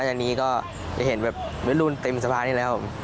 นับจากนี้ก็จะเห็นแบบครูนเต็มสะพานอย่างไรครับ